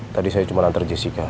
tadi saya cuma antar jessica